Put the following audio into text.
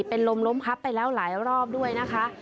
เป็นลมล้มพับไปแล้วหลายรอบด้วยนะคะ